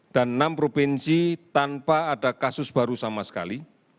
enam provinsi tanpa ada kasus baru sama sekali